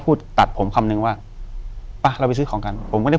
อยู่ที่แม่ศรีวิรัยิลครับ